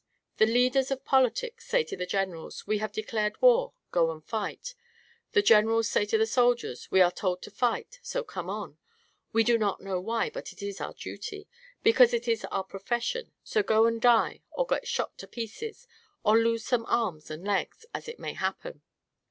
The leaders of politics say to the generals: 'We have declared war; go and fight.' The generals say to the soldiers: 'We are told to fight, so come on. We do not know why, but it is our duty, because it is our profession. So go and die, or get shot to pieces, or lose some arms and legs, as it may happen.'